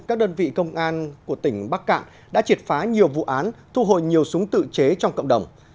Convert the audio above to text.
các đơn vị công an của tỉnh bắc cạn đã triệt phá nhiều vụ án thu hồi nhiều súng tự chế trong cộng đồng